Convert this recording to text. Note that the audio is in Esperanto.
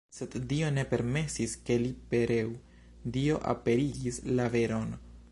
Sed Dio ne permesis, ke li pereu, Dio aperigis la veron.